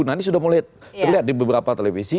nah ini sudah mulai terlihat di beberapa televisi